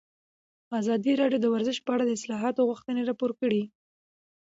ازادي راډیو د ورزش په اړه د اصلاحاتو غوښتنې راپور کړې.